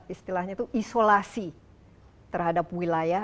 istilahnya itu isolasi terhadap wilayah